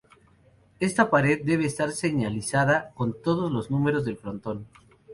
Esta pared debe estar señalizada con todos los números del frontón.